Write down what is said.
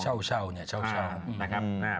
เช่าเนี่ยเช่านะครับ